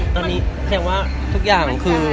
ตอนนี้แสดงว่าทุกอย่างคือ